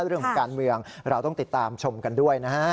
เรื่องของการเมืองเราต้องติดตามชมกันด้วยนะฮะ